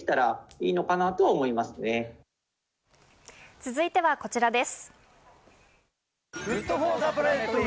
続いてはこちらです。